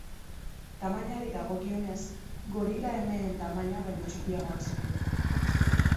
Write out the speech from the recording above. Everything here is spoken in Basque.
Tamainari dagokionez, gorila emeen tamaina baino txikiagoak ziren.